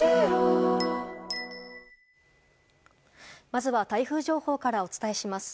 まずは台風情報からお伝えします。